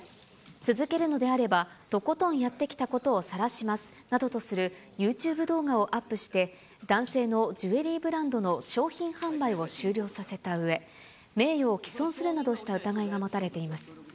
続けるのであれば、とことん、やってきたことをさらしますなどとする、ユーチューブ動画をアップして、男性のジュエリーブランドの商品販売を終了させたうえ、名誉を毀損するなどした疑いが持たれています。